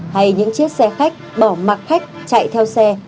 hay những chiếc xe khách bỏ mặt khách chạy theo xe